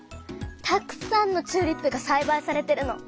たくさんのチューリップがさいばいされてるの。